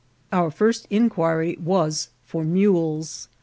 Our first inquiry was for mules.